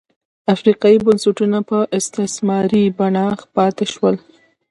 افریقايي بنسټونه په استثماري بڼه پاتې شول.